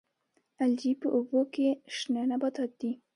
الجی په اوبو کې شنه نباتات دي